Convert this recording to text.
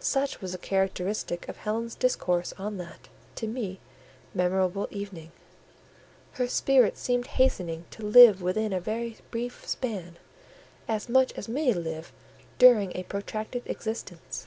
Such was the characteristic of Helen's discourse on that, to me, memorable evening; her spirit seemed hastening to live within a very brief span as much as many live during a protracted existence.